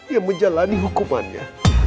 yang menjalani hukumannya